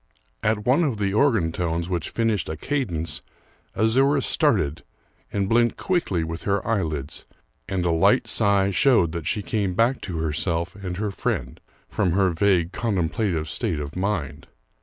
At one of the organ tones which finished a cadence, Azouras started, and blinked quickly with her eyelids, and a light sigh showed that she came back to herself and her friend, from her vague contemplative state of mind.